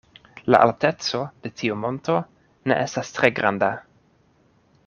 La alteco de tiu monto ne estas tre granda.